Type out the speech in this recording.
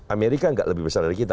amerika nggak lebih besar dari kita